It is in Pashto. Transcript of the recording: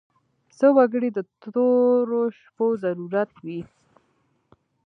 څه وګړي د تورو شپو ضرورت وي.